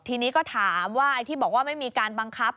ทีนี้ก็ถามว่าไอ้ที่บอกว่าไม่มีการบังคับ